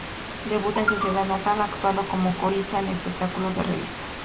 Debuta en su ciudad natal, actuando como corista en espectáculos de Revista.